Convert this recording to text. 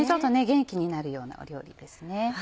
元気になるような料理ですね。